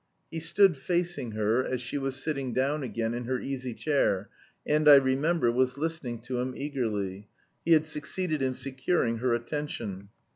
He stood facing her, as she was sitting down again in her easy chair, and, I remember, was listening to him eagerly; he had succeeded in securing her attention.